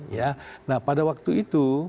ya nah pada waktu itu